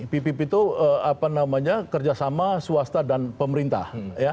pipip itu apa namanya kerjasama swasta dan pemerintah